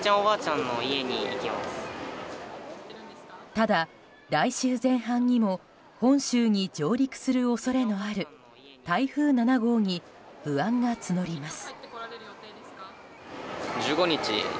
ただ、来週前半にも本州に上陸する恐れのある台風７号に不安が募ります。